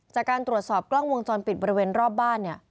จากการตรวจสอบกล้องวงจรปิดบริเวณรอบบ้านเนี่ย